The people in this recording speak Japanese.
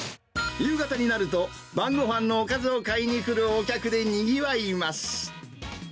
夕方になると、晩ごはんのおかずを買いに来るお客でにぎわいます。